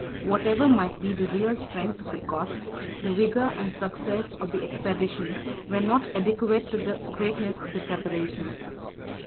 Whatever might be the real strength of the Goths, the vigor and success of the expedition were not adequate to the greatness of the preparations.